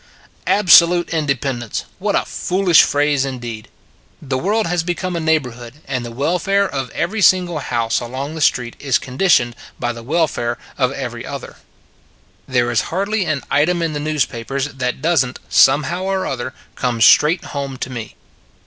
Absolute independence ! What a fool 24 It s a Good Old World ish phrase, indeed! The world has be come a neighborhood, and the welfare of every single house along the street is con ditioned by the welfare of every other. There is hardly an item in the newspa pers that doesn t, somehow or other, come straight home to me.